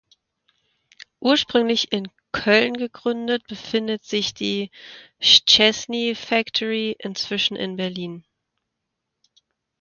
Ursprünglich in Köln gegründet, befindet sich die „Szczesny Factory“ inzwischen in Berlin.